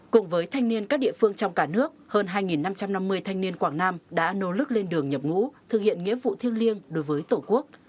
cùng với thanh niên các địa phương trong cả nước hơn hai năm trăm năm mươi thanh niên quảng nam đã nỗ lực lên đường nhập ngũ thực hiện nghĩa vụ thiêng liêng đối với tổ quốc